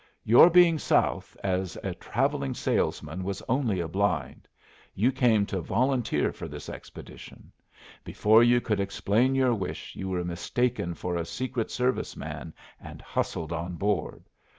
"Your being South as a travelling salesman was only a blind. You came to volunteer for this expedition. Before you could explain your wish you were mistaken for a secret service man, and hustled on board.